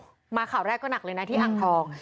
โอ้โหมาข่าวแรกก็หนักเลยนะที่อังทอง